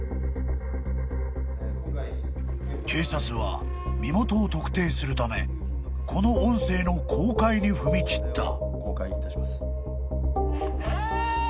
［警察は身元を特定するためこの音声の公開に踏み切った］